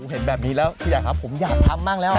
เห็นแบบนี้แล้วพี่ใหญ่ครับผมอยากทำมากแล้ว